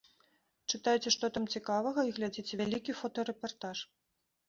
Чытайце, што там цікавага, і глядзіце вялікі фотарэпартаж.